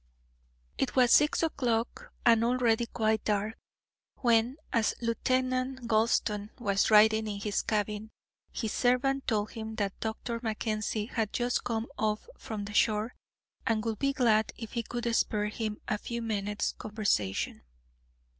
It was six o'clock, and already quite dark, when, as Lieutenant Gulston was writing in his cabin, his servant told him that Dr. Mackenzie had just come off from the shore, and would be glad if he could spare him a few minutes' conversation.